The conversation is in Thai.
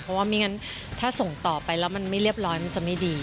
เพราะว่าไม่งั้นถ้าส่งต่อไปแล้วมันไม่เรียบร้อยมันจะไม่ดี